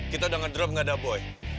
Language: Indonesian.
kita udah ngedrop gak ada boy